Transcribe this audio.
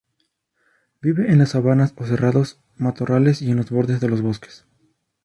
Vive en las sabanas o cerrados, matorrales y en los bordes de los bosques.